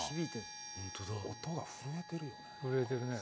音が震えてるよね。